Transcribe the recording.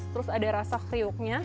terus ada rasa kriuknya